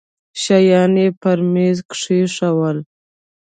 شيان يې پر ميز کښېښوول.